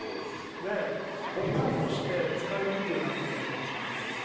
で語感として使いにくいなって言葉とかもあって。